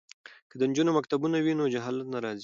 که د نجونو مکتبونه وي نو جهالت نه راځي.